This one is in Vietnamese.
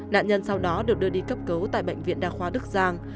nạn nhân sau đó được đưa đi cấp cứu tại bệnh viện đa khoa đức giang